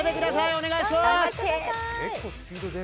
お願いします！